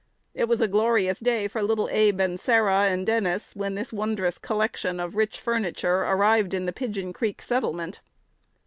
It was a glorious day for little Abe and Sarah and Dennis when this wondrous collection of rich furniture arrived in the Pigeon Creek settlement.